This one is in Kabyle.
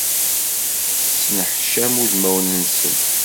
Sneḥcam udmawen-nsen.